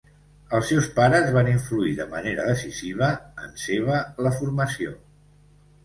Els seus pares van influir de manera decisiva en seva la formació.